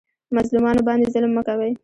مظلومانو باندې ظلم مه کوئ